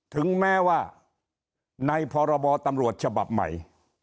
ถึงแม้ว่าในพรบตำรวจฉบับใหม่